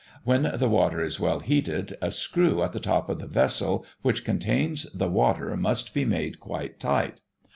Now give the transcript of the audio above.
When the water is well heated, a screw at the top of the vessel which contains the water must be made quite tight.